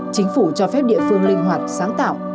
chính phủ cho phép địa phương linh hoạt sáng tạo